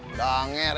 bilang berangkat pak